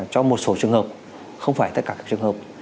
cho một số trường hợp không phải tất cả các trường hợp